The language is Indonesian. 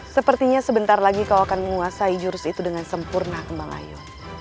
sepertinya sebentar lagi kau akan menguasai jurus itu dengan sempurna kembang ayo